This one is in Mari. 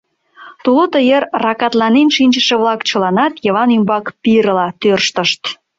Тулото йыр ракатланен шинчыше-влак чыланат Йыван ӱмбак пирыла тӧрштышт.